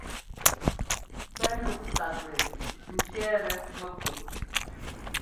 Pɛ́ luk tsaklɛ cwiɛ́tɛ mɛkup.